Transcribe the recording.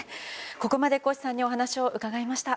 ここまで越さんにお話を伺いました。